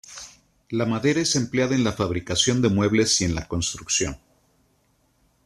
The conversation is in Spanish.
La madera es empleada en la fabricación de muebles y en la construcción.